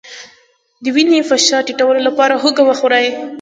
د وینې فشار ټیټولو لپاره هوږه وخورئ